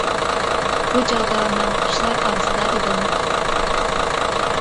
بۇ چاغدا مەن قۇشلار ئارىسىدا ئىدىم.